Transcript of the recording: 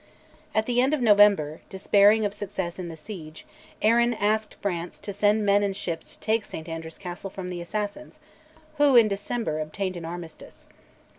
At the end of November, despairing of success in the siege, Arran asked France to send men and ships to take St Andrews Castle from the assassins, who, in December, obtained an armistice.